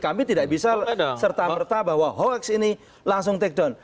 kami tidak bisa serta merta bahwa hoax ini langsung take down